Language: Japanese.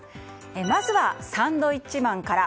まずは、サンドウィッチマンから。